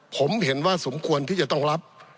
ผมเห็นว่าสมควรที่จะต้องรับ